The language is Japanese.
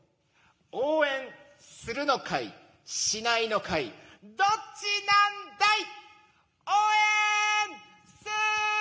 応援するのかい、しないのかい、どっちなんだい。